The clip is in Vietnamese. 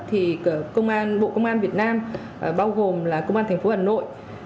thì bộ công an việt nam bao gồm là công an tp hà nội